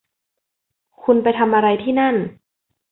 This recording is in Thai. คุณไปทำอะไรที่นั่น